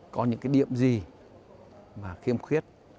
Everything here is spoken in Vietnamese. có những cái điểm gì mà kiêm khuyết